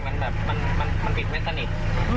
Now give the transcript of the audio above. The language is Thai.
ต้นให้มันมันคลิกไม่สนิท